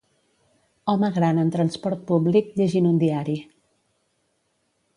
Home gran en transport públic llegint un diari.